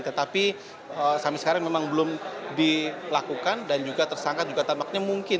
tetapi sampai sekarang memang belum dilakukan dan juga tersangka juga tampaknya mungkin